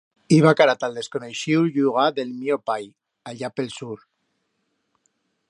Iba cara ta'l desconoixiu llugar d'el mío pai, allá pe'l sur.